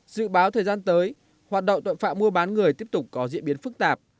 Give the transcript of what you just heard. dự báo thời gian tới hoạt động tội phạm mua bán người tiếp tục có diễn biến phức tạp